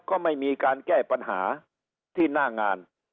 ก็ไม่มีการแก้ปัญหาที่หน้างาน